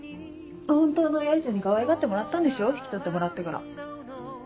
本当の親以上にかわいがってもらったんでしょ引き取ってもらってから。